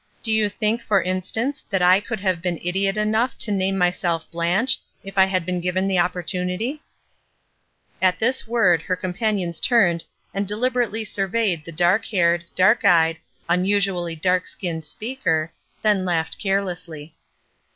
Do you think, for instance, that I could have been idiot enough to name myself 'Blanche' if I had been given the opportunity?" At this word, her companions turned and deliberately surveyed the dark haired, dark ■;; ,,7fr . I v:^ ■ 'r :^vr'^:fi^Wf7!r^ ''WHATS IN A NAME?" 3 eyed, unusually darknsldzmed speaker, then laughed carelessly.